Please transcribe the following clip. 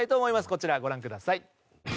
こちら、ご覧ください。